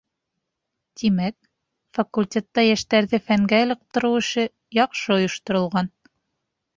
— Тимәк, факультетта йәштәрҙе фәнгә ылыҡтырыу эше яҡшы ойошторолған.